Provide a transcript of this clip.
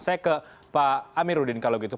saya ke pak amiruddin kalau gitu